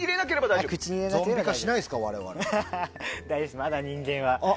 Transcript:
大丈夫です、まだ人間は。